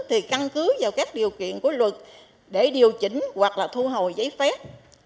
thì căn cứ vào các điều kiện của luật để điều chỉnh hoặc là thu hồi giấy phép